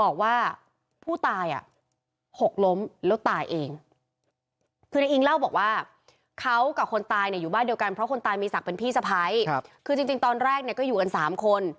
คุณทรมาน